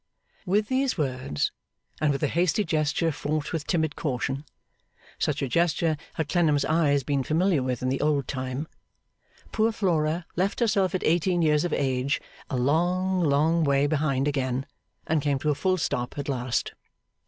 With these words, and with a hasty gesture fraught with timid caution such a gesture had Clennam's eyes been familiar with in the old time poor Flora left herself at eighteen years of age, a long long way behind again; and came to a full stop at last.